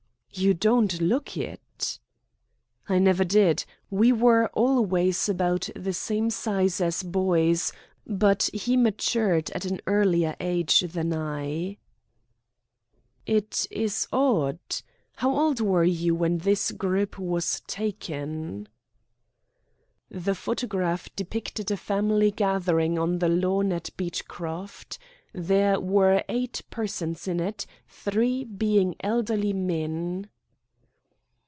"You don't look it." "I never did. We were always about the same size as boys, but he matured at an earlier age than I." "It is odd. How old were you when this group was taken?" The photograph depicted a family gathering on the lawn at Beechcroft. There were eight persons in it, three being elderly men.